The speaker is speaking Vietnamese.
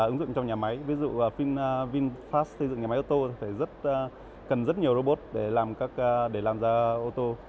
ứng dụng trong nhà máy ví dụ vinfast xây dựng nhà máy ô tô cần rất nhiều robot để làm ra ô tô